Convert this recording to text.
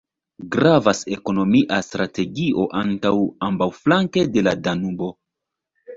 Gravas ekonomia strategio ankaŭ ambaŭflanke de la Danubo.